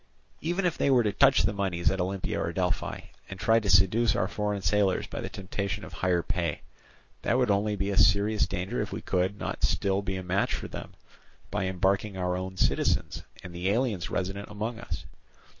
"Even if they were to touch the moneys at Olympia or Delphi, and try to seduce our foreign sailors by the temptation of higher pay, that would only be a serious danger if we could not still be a match for them by embarking our own citizens and the aliens resident among us.